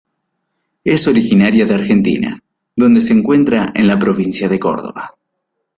Es originaria de Argentina, donde se encuentra en la provincia de Córdoba.